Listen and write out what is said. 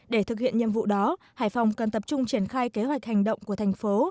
để thực hiện nhiệm vụ đó hải phòng cần tập trung triển khai kế hoạch hành động của thành phố